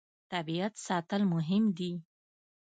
طبیعت ساتل مهم دي.